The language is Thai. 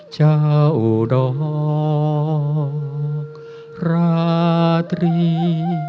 เจ้าดอกราตรี